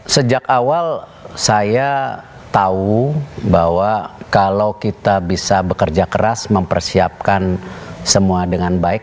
sejak awal saya tahu bahwa kalau kita bisa bekerja keras mempersiapkan semua dengan baik